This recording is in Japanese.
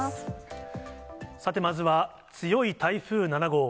さてまずは、強い台風７号。